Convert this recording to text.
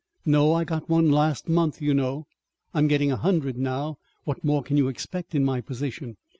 "No. I got one last month, you know. I'm getting a hundred now. What more can you expect in my position?"